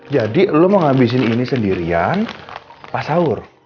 jadi lo mau ngabisin ini sendirian pas sahur